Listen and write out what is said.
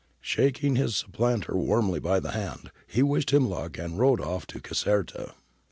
Shaking his supplanter warmly by the hand, he wished him luck, and rode off to Caserta.'